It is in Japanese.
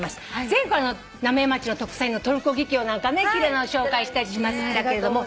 前回の浪江町の特産品のトルコギキョウなんかね奇麗なの紹介したりしましたけれども。